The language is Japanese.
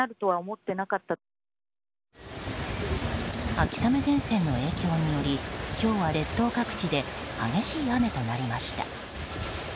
秋雨前線の影響により今日は列島各地で激しい雨となりました。